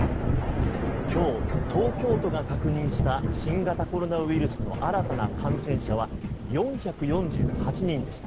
今日、東京都が確認した新型コロナウイルスの新たな感染者は４４８人でした。